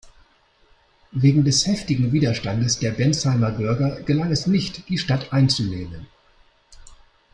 Wegen des heftigen Widerstandes der Bensheimer Bürger gelang es nicht, die Stadt einzunehmen.